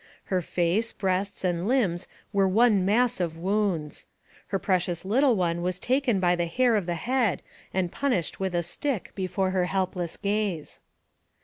Her face, breasts, and limbs were one mass of wounds. Her precious little one was taken by the hair of the head and punished with a stick before her helpless gaze.